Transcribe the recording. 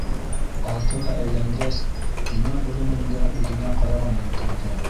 Артына әйләнгәс, инә бүренең дә үҙенә ҡарағанын күрҙе.